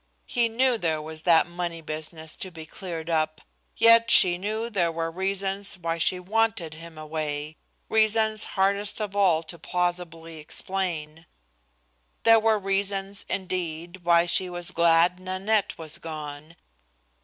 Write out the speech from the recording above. He knew there was that money business to be cleared up, yet she knew there were reasons why she wanted him away, reasons hardest of all to plausibly explain. There were reasons, indeed, why she was glad Nanette was gone.